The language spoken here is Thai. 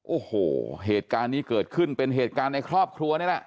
โอ้โหเหตุการณ์นี้เกิดขึ้นเป็นเหตุการณ์ในครอบครัวนี่แหละ